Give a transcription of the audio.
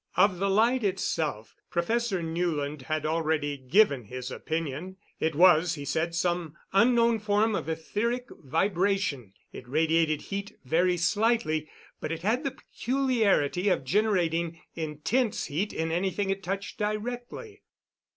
Of the light itself Professor Newland had already given his opinion. It was, he said, some unknown form of etheric vibration. It radiated heat very slightly, but it had the peculiarity of generating intense heat in anything it touched directly.